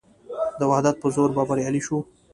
د وحدت په زور به بریالي شو.